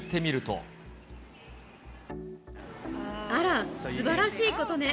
あら、すばらしいことね。